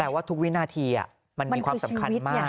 แต่ว่าทุกวินาทีมันมีความสำคัญมาก